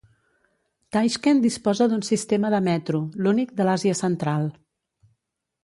Taixkent disposa d'un sistema de metro, l'únic de l'Àsia central.